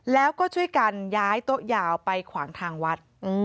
แล้วก็ช่วยกันย้ายโต๊ะยาวไปขวางทางวัด